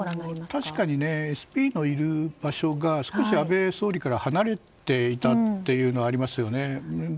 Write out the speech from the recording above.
確かにＳＰのいる場所が少し安倍元総理から離れていたというのがありますよね。